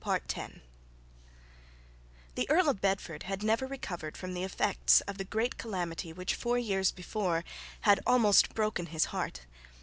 The Earl of Bedford had never recovered from the effects of the great calamity which, four years before, had almost broken his heart.